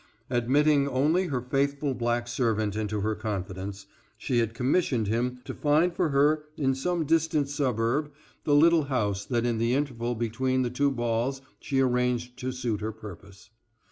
Admitting only her faithful black servant into her confidence, she had commissioned him to find for her in some distant suburb the little house that in the interval between the two balls she arranged to suit her purpose.